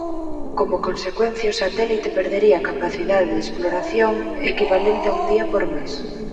Como consecuencia o satélite perdería capacidade de exploración equivalente a un día por mes.